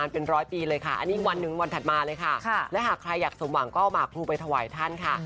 เป็นร้อยปีเลยค่ะอันนี้วันหนึ่งวันถัดมาเลยค่ะและหากใครอยากสมหวังก็เอาหมากครูไปถวายท่านค่ะ